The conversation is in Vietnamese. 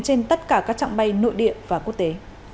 trên tất cả các trạng bay nội địa và quốc tế